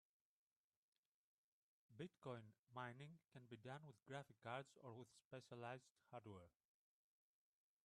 Bitcoin mining can be done with graphic cards or with specialized hardware.